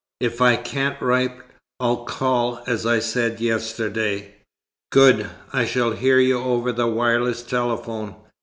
If I can't write, I'll call, as I said yesterday." "Good. I shall hear you over the wireless telephone."